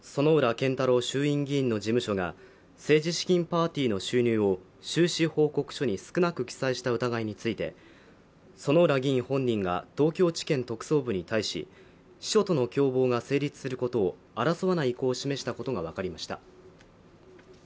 健太郎衆院議員の事務所が政治資金パーティーの収入を収支報告書に少なく記載した疑いについて薗浦議員本人が東京地検特捜部に対し秘書との共謀が成立することを争わない意向を示したことが分かりました